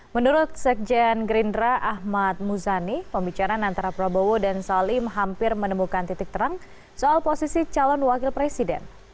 menurut sekjen gerindra ahmad muzani pembicaraan antara prabowo dan salim hampir menemukan titik terang soal posisi calon wakil presiden